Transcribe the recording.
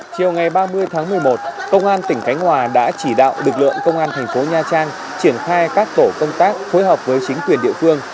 chiều ngày ba mươi tháng một mươi một công an tp nha trang đã chỉ đạo lực lượng công an tp nha trang triển khai các tổ công tác phối hợp với chính quyền địa phương